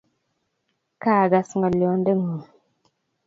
Kaagas ng'olyondeng'ung'